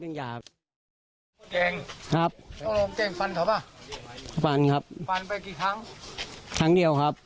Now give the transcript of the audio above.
เรื่องยาครับฟันครับฟันครับฟันไปกี่ครั้งครั้งเดียวครับ